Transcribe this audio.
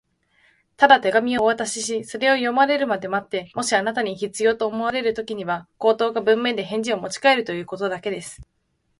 「ただ手紙をお渡しし、それを読まれるまで待って、もしあなたに必要と思われるときには、口頭か文面で返事をもちかえるということだけです」